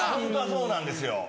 そうなんですよ